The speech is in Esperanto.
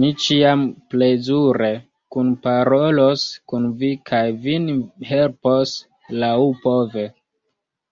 Mi ĉiam plezure kunparolos kun vi kaj vin helpos laŭpove.